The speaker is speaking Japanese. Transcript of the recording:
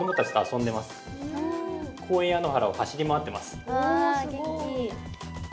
公園や野原を走り回ってます。